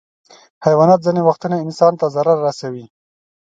حیوانات ځینې وختونه انسان ته ضرر رسوي.